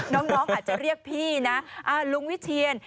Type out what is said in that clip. น้องอาจจะเรียกพี่นะลุงวิเชียน